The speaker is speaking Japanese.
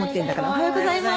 おはようございます。